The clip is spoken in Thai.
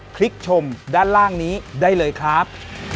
ลิกชมด้านล่างนี้ได้เลยครับ